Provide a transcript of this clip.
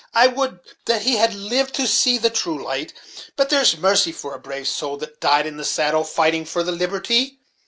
I would that he had lived to see the true light; but there's mercy for a brave sowl, that died in the saddle, fighting for the liberty.